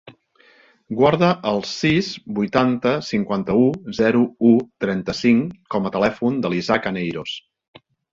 Guarda el sis, vuitanta, cinquanta-u, zero, u, trenta-cinc com a telèfon de l'Isaac Aneiros.